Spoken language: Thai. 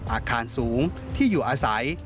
อาคารสูงที่อยู่อาศัย